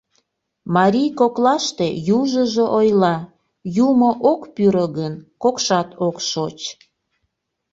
Марий коклаште южыжо ойла: «Юмо ок пӱрӧ гын, кокшат ок шоч».